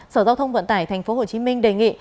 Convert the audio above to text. sở giao thông vận tải tp hcm đề nghị